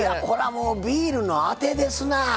もうビールのあてですな！